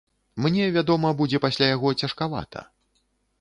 Мне, вядома, будзе пасля яго цяжкавата.